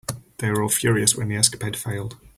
They were all furious when the escapade failed.